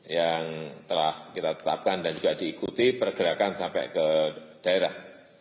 yang telah kita tetapkan dan juga diikuti pergerakan sampai ke daerah